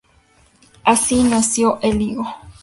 Así nació El Higo.